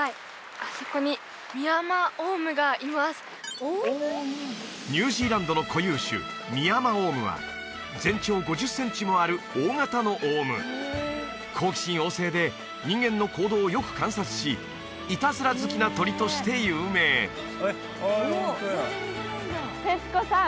あそこにニュージーランドの固有種ミヤマオウムは全長５０センチもある大型のオウム好奇心旺盛で人間の行動をよく観察しいたずら好きな鳥として有名ええ！